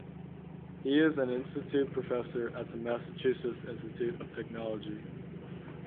He is an Institute Professor at the Massachusetts Institute of Technology.